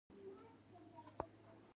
لويانو سپرغې ته کتل.